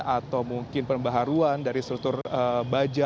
atau mungkin pembaharuan dari struktur baja